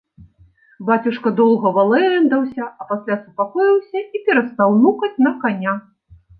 Бацюшка доўга валэндаўся, а пасля супакоіўся і перастаў нукаць на каня.